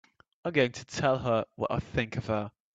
I'm going to tell her what I think of her!